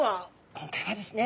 今回はですね